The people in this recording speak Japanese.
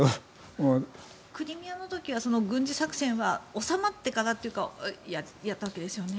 クリミアの時は軍事作戦は収まってからやったわけですよね。